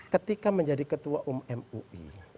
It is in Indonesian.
ketika menjadi ketua umum mui